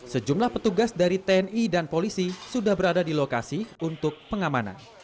sejumlah petugas dari tni dan polisi sudah berada di lokasi untuk pengamanan